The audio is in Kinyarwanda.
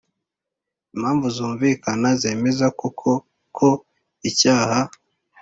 Impamvu Zumvikana Zemeza Koko Ko Icyaha